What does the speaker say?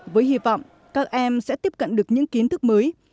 với hy vọng các em sẽ tiếp cận được những kiến thức mới